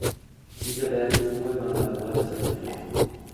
Dieser Wert ist nur über ein Labor zu ermitteln.